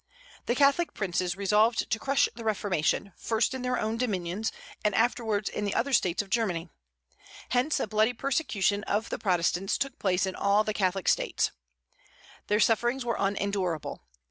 The Catholic princes resolved to crush the Reformation, first in their own dominions, and afterwards in the other States of Germany. Hence, a bloody persecution of the Protestants took place in all Catholic States. Their sufferings were unendurable.